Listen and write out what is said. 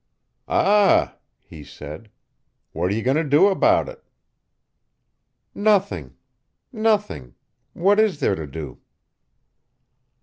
"Ah," he said. "What are you going to do about it?" "Nothing. Nothing. What is there to do?"